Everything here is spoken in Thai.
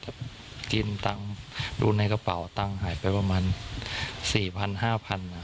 แต่กินตั้งดูในกระเป๋าตั้งหายไปประมาณ๔๐๐๐๕๐๐๐อะ